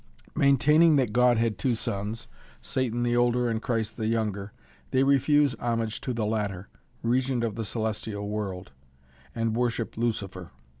Maintaining that God had two sons Satan the older and Christ the younger they refuse homage to the latter, Regent of the Celestial World, and worship Lucifer.